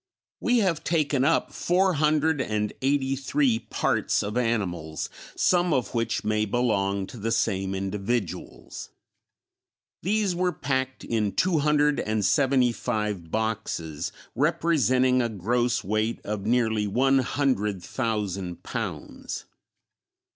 We have taken up four hundred and eighty three parts of animals, some of which may belong to the same individuals. These were packed in two hundred and seventy five boxes, representing a gross weight of nearly one hundred thousand pounds.